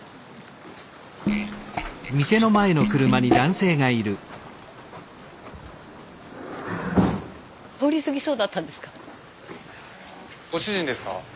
スタジオ通り過ぎそうだったんですか？